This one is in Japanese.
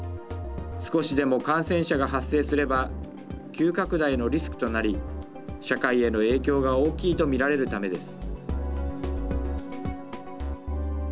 少しでも感染者が発生すれば急拡大のリスクとなり社会への影響が大きいとみられるためです。